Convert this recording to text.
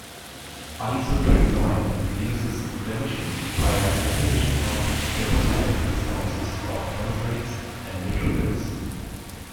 Isotretinoin reduces inflammation via inhibition of chemotactic responses of monocytes and neutrophils.